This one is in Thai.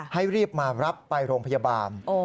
ให้รีบมารับไปโรงพยาบาล